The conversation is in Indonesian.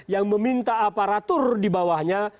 yang meminta aparatur dibawahnya